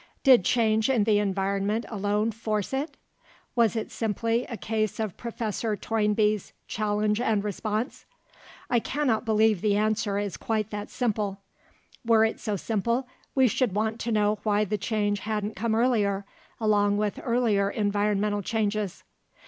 Did change in the environment alone force it? Was it simply a case of Professor Toynbee's "challenge and response?" I cannot believe the answer is quite that simple. Were it so simple, we should want to know why the change hadn't come earlier, along with earlier environmental changes.